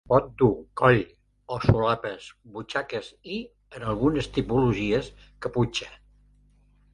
Pot dur coll o solapes, butxaques i, en algunes tipologies, caputxa.